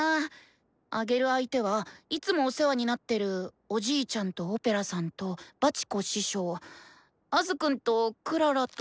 あげる相手はいつもお世話になってるおじいちゃんとオペラさんとバチコ師匠アズくんとクララと。